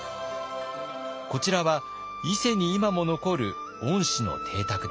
こちらは伊勢に今も残る御師の邸宅です。